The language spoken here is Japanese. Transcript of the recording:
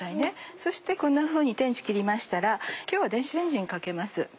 そしてこんなふうに天地切りましたら今日は電子レンジにかけます。